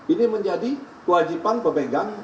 ini menjadi kewajiban pemegang